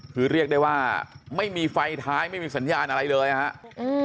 คือเรียกได้ว่าไม่มีไฟท้ายไม่มีสัญญาณอะไรเลยนะครับ